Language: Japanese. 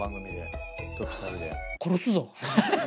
殺すぞ。